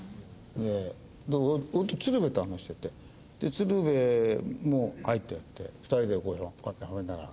で俺鶴瓶と話してて鶴瓶にも「はい」ってやって２人でこうやってしゃぶりながら。